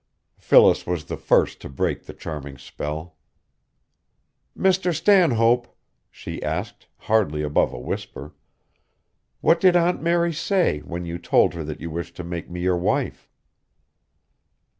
Phyllis was the first to break the charming spell. "Mr. Stanhope," she asked, hardly above a whisper, "what did Aunt Mary say when you told her that you wished to make me your wife?"